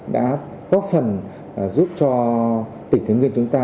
đã góp phần giúp cho tỉnh thái nguyên chúng ta